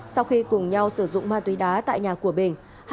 sau khi cùng nhau sử dụng ma túy đá tại nhà của bình